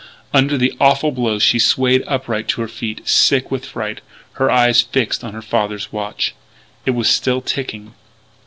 Under the awful blow she swayed upright to her feet, sick with fright, her eyes fixed on her father's watch. It was still ticking.